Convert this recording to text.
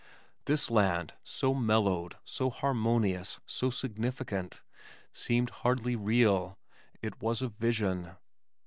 This land, so mellowed, so harmonious, so significant, seemed hardly real. It was a vision.